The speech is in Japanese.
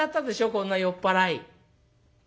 こんな酔っ払い」。